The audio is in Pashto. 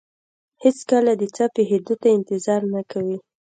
هېڅکله د څه پېښېدو ته انتظار نه کوي.